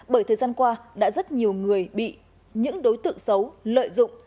bởi thời gian qua đã rất nhiều người bị những đối tượng xấu lợi dụng